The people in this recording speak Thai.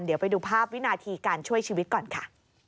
เดี๋ยวไปดูภาพวินาทีการช่วยชีวิตก่อนค่ะ